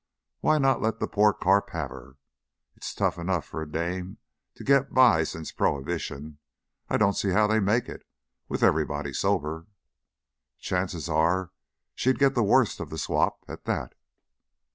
"Why not let the poor carp have her? It's tough enough for a dame to get by since prohibition. I don't see how they make it, with everybody sober. Chances are she'd get the worst of the swap, at that."